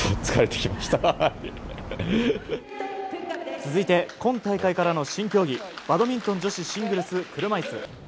続いて、今大会からの新競技バドミントン女子シングルス車いす。